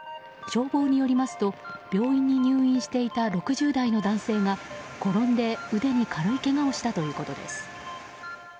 消防によりますと病院に入院していた６０代の男性が転んで腕に軽いけがをしたということです。